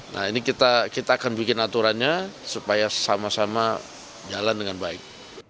nah ini kita akan bikin aturannya supaya sama sama jalan dengan baik